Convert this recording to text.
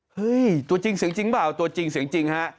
ตัวจริงเสียงจริงเปล่าตัวจริงเสียงจริงฮะ